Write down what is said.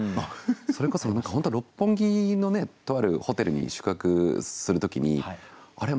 それこそ何か六本木のとあるホテルに宿泊する時にあれ？